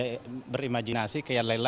dan kita juga bisa berimajinasi kayak lainnya